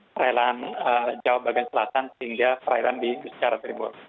perairan jawa bagian selatan sehingga perairan di secara tribun